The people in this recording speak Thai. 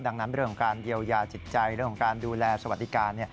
ดังนั้นเรื่องของการเยียวยาจิตใจเรื่องของการดูแลสวัสดิการ